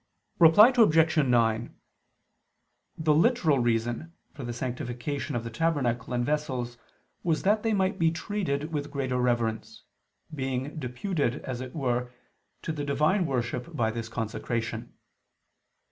Reply Obj. 9: The literal reason for the sanctification of the tabernacle and vessels was that they might be treated with greater reverence, being deputed, as it were, to the divine worship by this consecration.